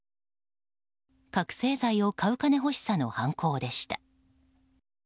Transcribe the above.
覚醒剤を買う金欲しさの犯行でした。